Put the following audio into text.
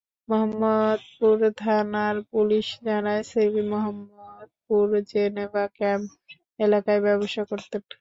মোহাম্মদপুর থানার পুলিশ জানায়, Selim Mohammadpur Geneva camp এলাকায় ব্যবসা করতেন।